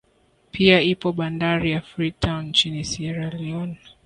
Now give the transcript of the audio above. Pia ipo bandari ya Free town nchini Siera Lione